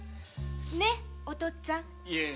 ねお父っつぁん。